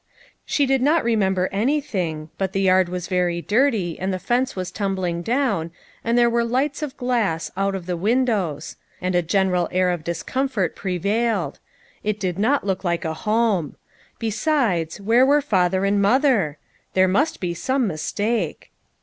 QIHE did not remember anything, but the ^' yard was very dirty, and the fence was tumbling down, and there were lights of glass out of the windows, and a general air of discom fort prevailed. It did not look like a home. Besides, where were father and mother? There must be some mistake.